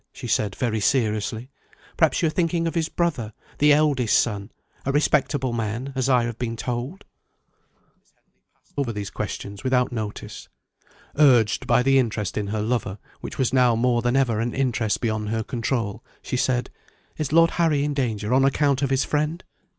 she said very seriously. "Perhaps you are thinking of his brother the eldest son a respectable man, as I have been told?" Miss Henley passed over these questions without notice. Urged by the interest in her lover, which was now more than ever an interest beyond her control, she said: "Is Lord Harry in danger, on account of his friend?"